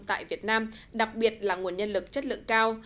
tại việt nam đặc biệt là nguồn nhân lực chất lượng cao